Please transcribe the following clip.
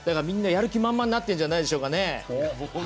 みんな、やる気満々になってるんじゃないでしょうかね。